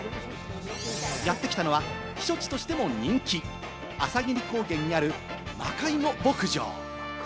やってきたのは避暑地としても人気、朝霧高原にある、まかいの牧場。